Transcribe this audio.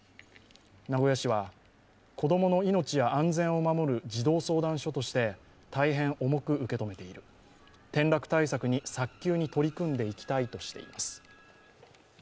名古屋市は子供の命や安全を守る児童相談所として大変重く受け止めている、転落対策に早急に取り組んでいきたいとしています。